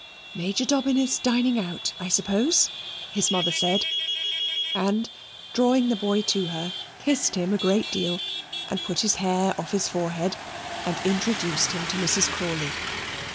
"Major Dobbin is dining out, I suppose," his mother said, and, drawing the boy to her, kissed him a great deal, and put his hair off his forehead, and introduced him to Mrs. Crawley.